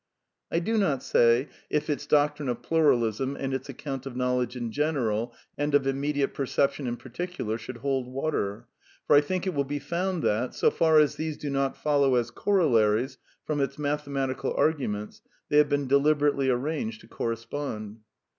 I do not say : if its doctrine of Pluralism, and its account of knowledge in general, and of immediate perception in \ particular, should hold water ; for I think it will be found that, so far as these do not follow as corollaries from its mathematical arguments, they have been deliberately ar ranged to correspond.